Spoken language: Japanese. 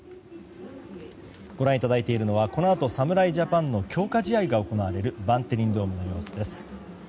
ご覧いただいているのはこのあと侍ジャパンの強化試合が行われるバンテリンドームの様子です。